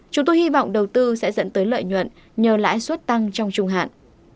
chúng tôi hy vọng đầu tư sẽ dẫn tới lợi nhuận nhờ lãi suất tăng trong trung hạn